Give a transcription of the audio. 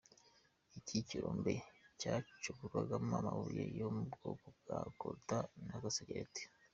Iki kirombe cyacukurwagamo amabuye yo mu bwoko bwa Colta na Gasegereti.